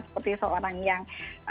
seperti seorang yang